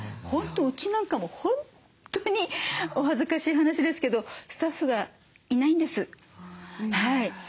本当うちなんかも本当にお恥ずかしい話ですけどスタッフがいないんです。